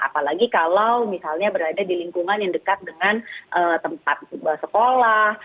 apalagi kalau misalnya berada di lingkungan yang dekat dengan tempat sekolah